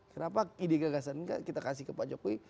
kenapa ide gagasan enggak kita kasih ke pak jokowi